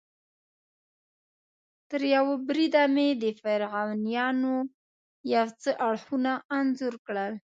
تریوه بریده مې د فرعونیانو یو څه اړخونه انځور کړل.